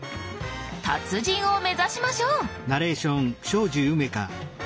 達人を目指しましょう！